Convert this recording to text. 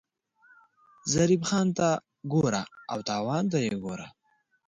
ظریف خان ته ګوره او تاوان ته یې ګوره.